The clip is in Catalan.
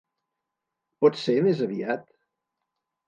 Pot ser més aviat?